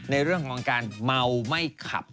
ในเรื่องของการเมาไม่ขับ